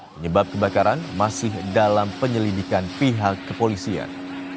penyebab kebakaran masih dalam penyelidikan pihak kepolisian